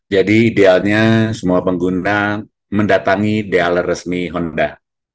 jadi idealnya semua pengguna mendatangi di ala resmi honda